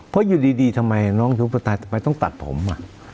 เพราะอยู่ดีทำไมน้องยุปตาทำไมต้องตัดผม